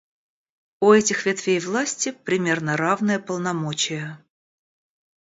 У этих ветвей власти примерно равные полномочия.